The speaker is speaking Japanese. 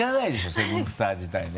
セブンスター自体ね。